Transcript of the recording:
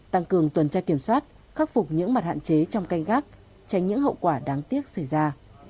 tăng cường tuần tra kiểm soát khắc phục những mặt hạn chế trong canh gác tránh những hậu quả đáng tiếc xảy ra